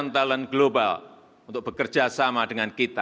mengundang talent talent global untuk bekerja sama dengan kita